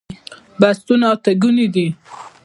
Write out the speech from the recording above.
بستونه اته ګوني دي